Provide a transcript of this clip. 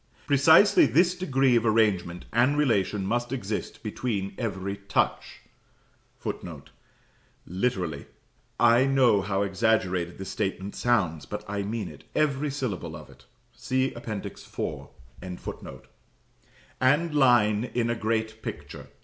Precisely this degree of arrangement and relation must exist between every touch [Footnote: Literally. I know how exaggerated this statement sounds; but I mean it, every syllable of it. See Appendix IV.] and line in a great picture.